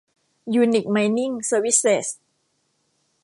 ยูนิค ไมนิ่ง เซอร์วิสเซส